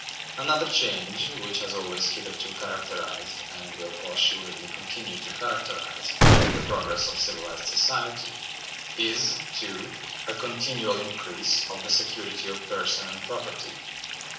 Another change, which has always hitherto characterized, and will assuredly continue to characterize, the progress of civilized society, is (2) a continual increase of the security of person and property.